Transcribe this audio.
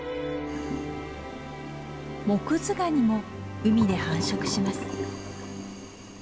モクズガニも海で繁殖します。